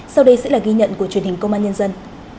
sau đây sẽ là ghi nhận của truyền hình công an nhân dân